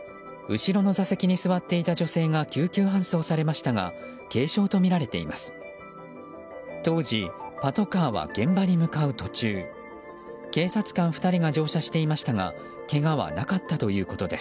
後ろの座席に座っていた女性が救急搬送されましたが軽傷とみられています。